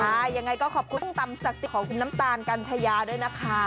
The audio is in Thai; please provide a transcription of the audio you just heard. ใช่ยังไงก็ขอบคุณตำสติของคุณน้ำตาลกัญชายาด้วยนะคะ